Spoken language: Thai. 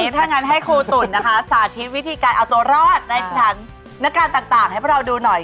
ถ้างั้นให้ครูตุ๋นนะคะสาธิตวิธีการเอาตัวรอดในสถานการณ์ต่างให้พวกเราดูหน่อย